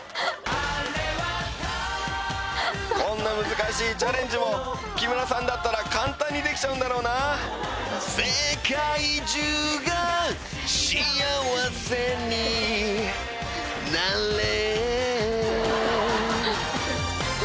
こんな難しいチャレンジも木村さんだったら簡単にできちゃうんだろうな世界中がしあわせになれ！